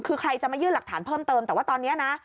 คือใครจะมายื่นหลักฐานเพิ่มเติมแต่ว่าตอนนี้นะ